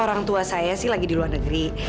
orang tua saya sih lagi di luar negeri